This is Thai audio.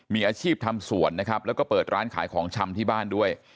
มีอาชีพทำสวนนะครับแล้วก็เปิดร้านขายของชำที่บ้านด้วย